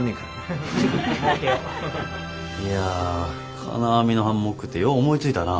いや金網のハンモックってよう思いついたな。